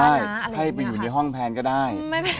ให้เข้ามาได้ให้ไปอยู่ในห้องแพนก็ได้